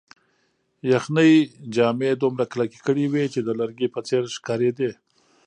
یخنۍ جامې دومره کلکې کړې وې چې د لرګي په څېر ښکارېدې.